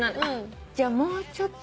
じゃあもうちょっと。